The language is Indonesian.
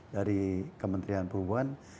dari kementerian perubahan